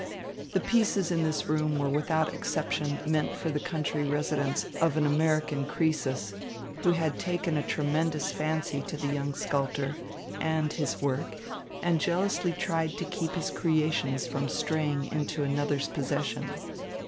The pieces in this room were without exception meant for the country residence of an American Croesus, who had taken a tremendous fancy to the young sculptor and his work and jealously tried to keep his creations from straying into another's possession.